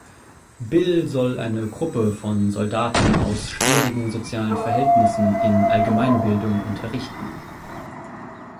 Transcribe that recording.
Bill soll eine Gruppe von Soldaten aus schwierigen sozialen Verhältnissen in Allgemeinbildung unterrichten.